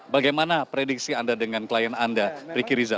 bagaimana prediksi anda dengan klien anda riki riza